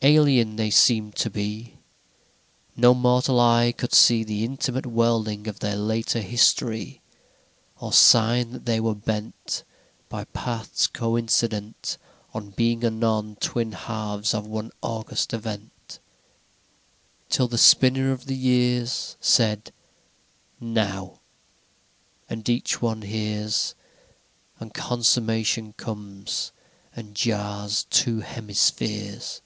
IX Alien they seemed to be: No mortal eye could see The intimate welding of their later history. X Or sign that they were bent By paths coincident On being anon twin halves of one august event, XI Till the Spinner of the Years Said "Now!" And each one hears, And consummation comes, and jars two hemispheres.